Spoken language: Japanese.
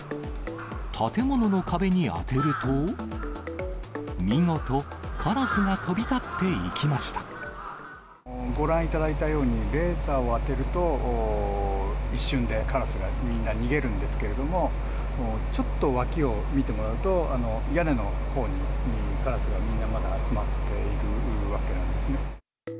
建物の壁に当てると、見事、ご覧いただいたように、レーザーを当てると、一瞬でカラスがみんな逃げるんですけど、ちょっと脇を見てもらうと、屋根のほうにカラスがみんなまだ集まっているわけなんですね。